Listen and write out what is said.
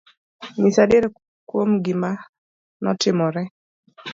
Nyisa adier kuom gima notimore